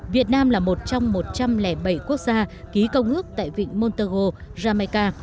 việt nam là một trong một trăm linh bảy quốc gia ký công ước tại vịnh montego jamaica